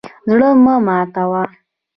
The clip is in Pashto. زړه مه ماتوه.